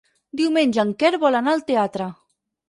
Diumenge en Quer vol anar al teatre.